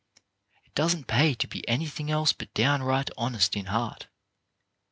It doesn't pay to be anything else but downright honest in heart.